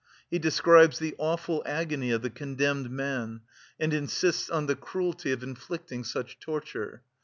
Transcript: He describes the awful agony of the condemned man and insists on the cruelty of inflicting such torture.